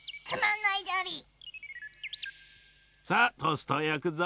さあトーストをやくぞ。